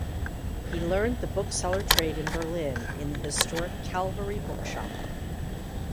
He learned the bookseller trade in Berlin in the historic Calvary bookshop.